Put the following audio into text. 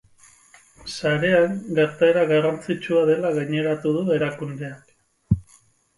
Sarean gertaera garrantzitsua dela gaineratu erakundeak.